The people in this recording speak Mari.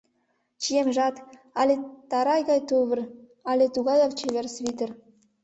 Чиемжат але тарай гай тувыр, але тугаяк чевер свитер.